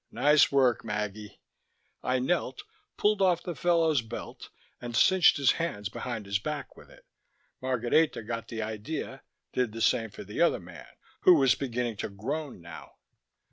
"Nice work, Maggie." I knelt, pulled off the fellow's belt, and cinched his hands behind his back with it. Margareta got the idea, did the same for the other man, who was beginning to groan now.